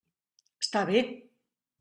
Està bé!